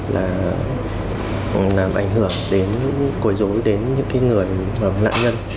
là làm ảnh hưởng đến cối rối đến những cái người lạ nhân